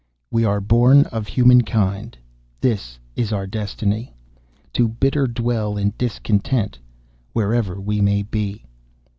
"_We are born of Humankind This our destiny: To bitter dwell in discontent Wherever we may be.